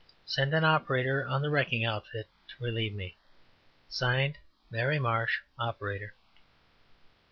Send an operator on the wrecking outfit to relieve me. (signed) MARY MARSH, Operator."